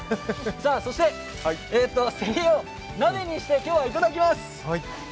そして、せりを鍋にしていただきます。